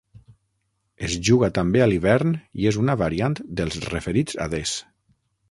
Es juga també a l’hivern i és una variant dels referits adés.